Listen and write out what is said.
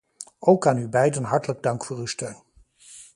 Ook aan u beiden hartelijk dank voor uw steun.